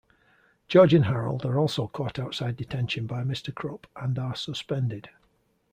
George and Harold are also caught outside detention by Mr. Krupp and are suspended.